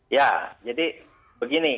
ya jadi begini